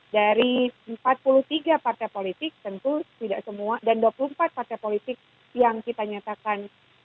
dari empat puluh tiga partai politik tentu tidak semua dan dua puluh empat partai politik yang kita nyatakan